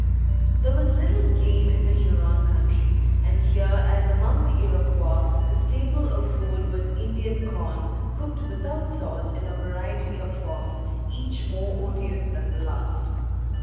There was little game in the Huron country; and here, as among the Iroquois, the staple of food was Indian corn, cooked without salt in a variety of forms, each more odious than the last.